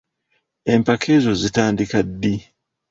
Empaka ezo zitandika ddi?